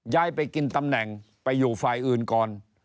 ย้ายไปกินตำแหน่งไปอยู่ฝ่ายอื่นก่อน